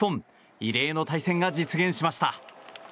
異例の対戦が実現しました。